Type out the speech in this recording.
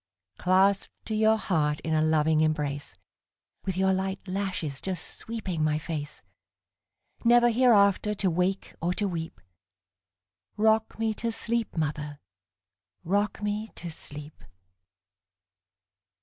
Clasped to your heart in a loving embrace, With your light lashes just sweeping my face, Never hereafter to wake or to weep;—Rock me to sleep, mother,—rock me to sleep!